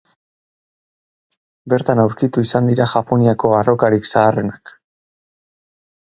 Bertan aurkitu izan dira Japoniako arrokarik zaharrenak.